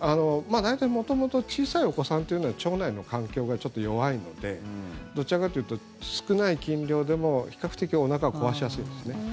大体元々小さいお子さんというのは腸内の環境がちょっと弱いのでどちらかというと少ない菌量でも比較的おなかを壊しやすいですね。